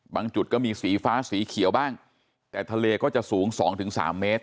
จุดก็มีสีฟ้าสีเขียวบ้างแต่ทะเลก็จะสูง๒๓เมตร